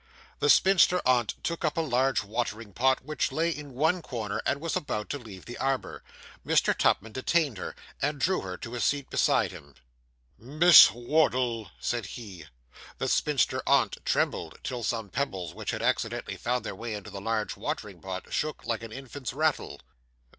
The spinster aunt took up a large watering pot which lay in one corner, and was about to leave the arbour. Mr. Tupman detained her, and drew her to a seat beside him. 'Miss Wardle!' said he. The spinster aunt trembled, till some pebbles which had accidentally found their way into the large watering pot shook like an infant's rattle.